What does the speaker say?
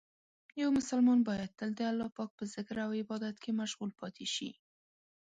یو مسلمان باید تل د الله په ذکر او عبادت کې مشغول پاتې شي.